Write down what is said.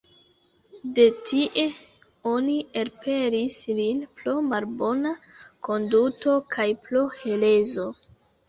De tie oni elpelis lin pro malbona konduto kaj pro herezo.